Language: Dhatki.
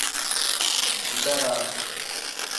اندر آ.